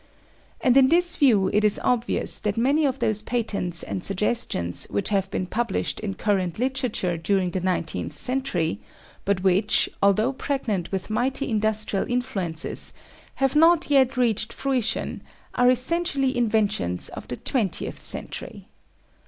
And in this view it is obvious that many of those patents and suggestions which have been published in current literature during the nineteenth century, but which, although pregnant with mighty industrial influences, have not yet reached fruition, are essentially inventions of the twentieth century.